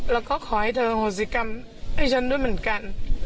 แล้วก็ขอให้เธอโหสิกรรมให้ฉันด้วยเหมือนกัน